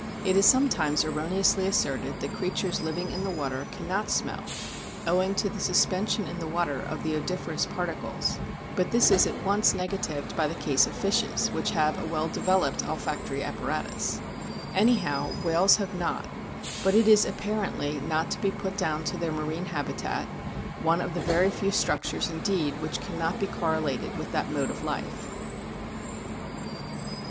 It is sometimes erro neously asserted that creatures living in the water cannot smell owing to the suspension in the water of the odoriferous particles ; but this is at once negatived by the case of fishes, which have a well developed olfactory apparatus. Anyhow, whales have not ; but it is apparently not to be put clown to their marine habitat, one of the very few structures indeed which cannot be correlated with that mode of life.